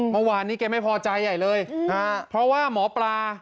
เมื่อวานนี้แกไม่พอใจใหญ่เลยเพราะว่าหมอปลา